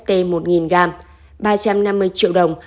t một nghìn g ba trăm năm mươi triệu đồng